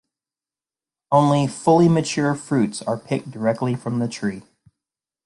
Only fully mature fruits are picked directly from the tree.